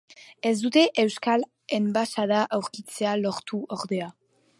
Ez dute euskal enbaxada aurkitzea lortu ordea.